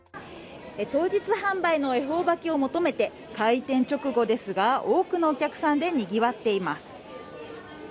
当日販売の恵方巻きを求めて開店直後ですが多くのお客さんでにぎわっています。